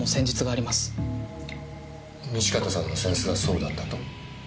西片さんの扇子がそうだったと？